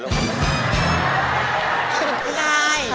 ถึงที่นาย